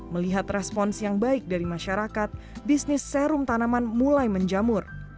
melihat respons yang baik dari masyarakat bisnis serum tanaman mulai menjamur